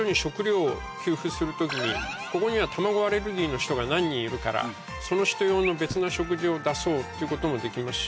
する時にここには卵アレルギーの人が何人いるからその人用の別の食事を出そうということもできますし。